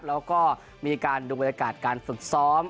แล้วก็มีการดูบรรยากาศการฝึกซ้อม